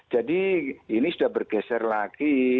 jadi ini sudah bergeser lagi